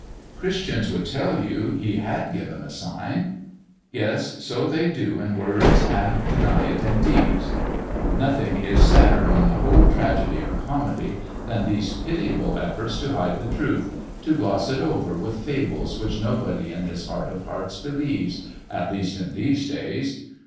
"Christians would tell you He had given a sign." "Yes; so they do in words and deny it in deeds. Nothing is sadder in the whole tragedy, or comedy, than these pitiable efforts to hide the truth, to gloss it over with fables which nobody in his heart of hearts believes at least in these days.